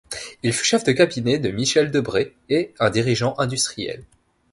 Il fut chef de cabinet de Michel Debré et un dirigeant industriel.